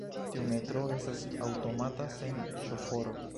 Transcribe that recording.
Tiu metroo estas aŭtomata, sen ŝoforo.